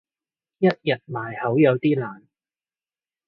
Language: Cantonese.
一日埋口有啲難